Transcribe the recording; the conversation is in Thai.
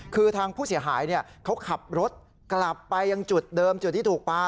คือทางผู้เสียหายเขาขับรถกลับไปยังจุดเดิมจุดที่ถูกปลา